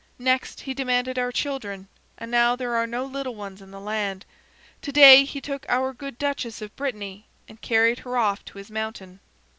Next he demanded our children, and now there are no little ones in the land. To day he took our good duchess of Brittany, and carried her off to his mountain."